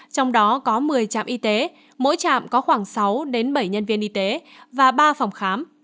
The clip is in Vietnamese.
trong đó có một mươi trạm y tế mỗi trạm có khoảng sáu bảy nhân viên y tế và ba phòng khám